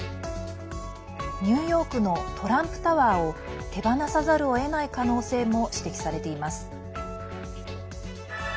ニューヨークのトランプタワーを手放さざるをえない可能性も指摘されています。